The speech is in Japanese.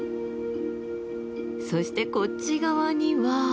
そしてこっち側には。